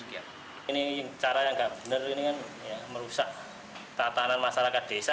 ini cara yang nggak benar ini kan merusak tatanan masyarakat desa